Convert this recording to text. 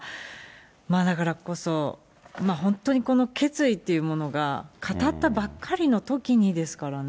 だからこそ、本当にこの決意っていうものが、語ったばっかりのときにですからね。